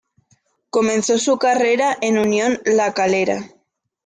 Comenzó su carrera en Unión La Calera.